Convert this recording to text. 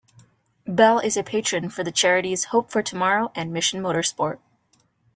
Bell is a patron for the charities Hope for Tomorrow and Mission Motorsport.